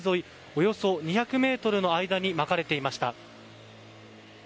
およそ２００ｍの間にまかれていました。